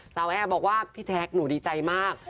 แอร์บอกว่าพี่แท็กหนูดีใจมาก